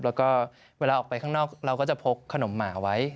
แล้วก็เวลาออกไปข้างนอกเราก็จะพกขนมหมาไว้